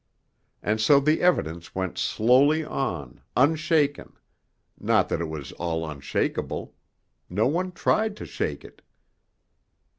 And so the evidence went slowly on, unshaken not that it was all unshakable; no one tried to shake it.